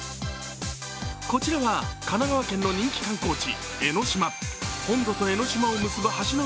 こちらは神奈川県の人気観光地